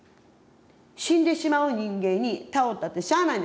死んでしまう人間に頼ったってしゃあないんです。